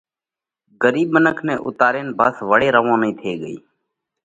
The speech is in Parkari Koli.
ڳرِيٻ منک نئہ اُوتارينَ ڀس وۯي روَونئِي ٿي ڳئِي۔